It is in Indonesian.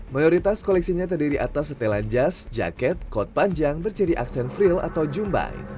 mayoritas koleksinya terdiri atas setelan jas jaket kot panjang berciri aksen frill atau jumbai